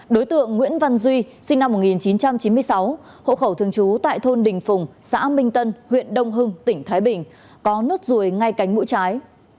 đối tượng nguyễn văn duy sinh năm một nghìn chín trăm chín mươi sáu hộ khẩu thường trú tại thôn đình phùng xã minh tân huyện đông hưng tỉnh thái bình có nốt ruồi ngay cánh mũi trái